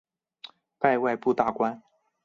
拜外部大官。